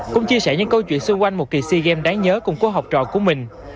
cũng chia sẻ những câu chuyện xung quanh một kỳ si game đáng nhớ cùng cô học trò của mình